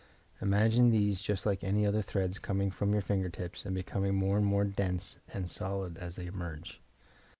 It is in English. Imagine these just like any other threads coming from your finger tips and becoming more and more dense and solid aa they emerge.